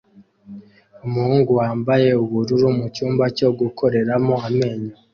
Umuhungu wambaye ubururu mucyumba cyo gukoreramo amenyo